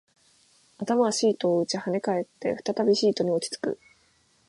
頭はシートを打ち、跳ね返って、再びシートに落ち着く